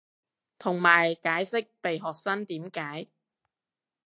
同埋解釋被學生點解